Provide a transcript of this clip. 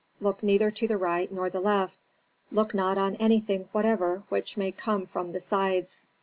Look neither to the right nor the left, look not on anything whatever which may come from the sides."